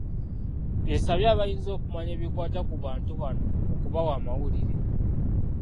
Esabye abayinza okumanya ebikwata ku bantu bano okubawa amawulire.